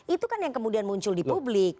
itu kan yang kemudian muncul di publik